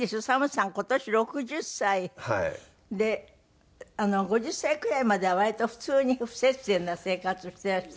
ＳＡＭさん今年６０歳で５０歳くらいまでは割と普通に不摂生な生活してらした？